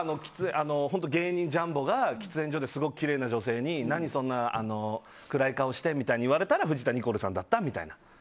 芸人ジャンボが喫煙所ですごくきれいな女性に何そんな暗い顔してって言われたら藤田ニコルさんだったみたいな。